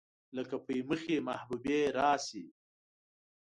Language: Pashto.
لکه پۍ مخې محبوبې راشي